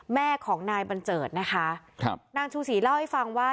แม่ของนายบัญเจิดนะคะครับนางชูศรีเล่าให้ฟังว่า